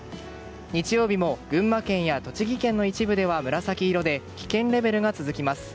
日曜日も群馬県や栃木県の一部では紫色で危険レベルが続きます。